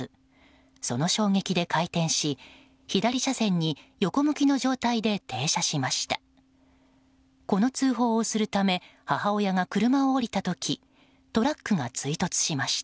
その衝撃で回転し左車線に横向きの状態で停車しました。